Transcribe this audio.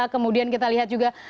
kemudian kita lihat juga